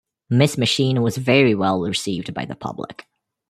"Miss Machine" was very well received by the public.